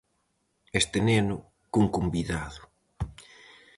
Este neno, cun convidado.